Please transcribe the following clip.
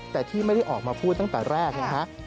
แต่ที่ไม่ได้ออกมาพูดตั้งแต่แรกนะฮะ